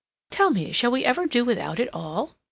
"Tell me, shall we ever do without it all?"